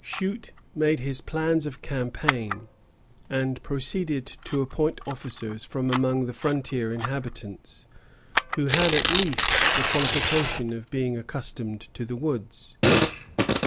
Shute made his plans of campaign, and proceeded to appoint officers from among the frontier inhabitants, who had at least the qualification of being accustomed to the woods.